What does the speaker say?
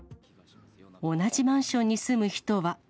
同じマンションに住む人は。